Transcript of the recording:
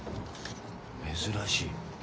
珍しい。